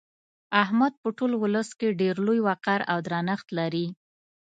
احمد په ټول ولس کې ډېر لوی وقار او درنښت لري.